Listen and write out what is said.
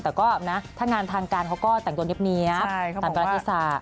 แต่ก็แบบนะถ้างานทางการเขาก็แต่งตัวเนี๊ยบตามการละเทศา